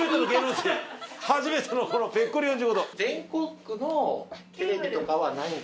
初めてのこのぺっこり４５度。